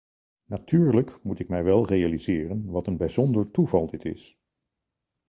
Natuurlijk moet ik mij wel realiseren wat een bijzonder toeval dit is.